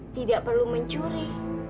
tidak perlu mencuri